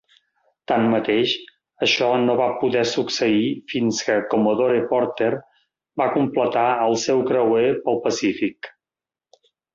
Tanmateix, això no va poder succeir fins que Commodore Porter va completar el seu creuer pel Pacífic.